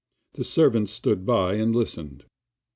The servant stood by and listened.